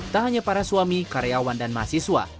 tak hanya para suami karyawan dan mahasiswa